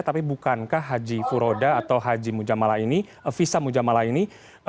tapi bukankah haji puroda atau haji muzamalah ini visa muzamalah ini